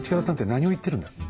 何を言ってるんだ。